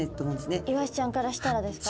イワシちゃんからしたらですか？